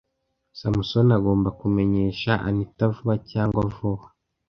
Samusoni agomba kumenyesha Anita vuba cyangwa vuba.